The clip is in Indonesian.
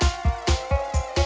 kamu istirahat lagi aja